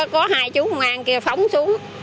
có hai chú công an kia phóng xuống